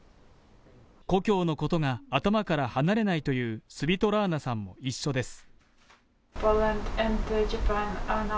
故郷のことが頭から離れないというスヴィトラーナさんも一緒です。